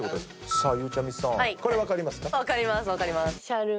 さあゆうちゃみさんこれ分かりますか？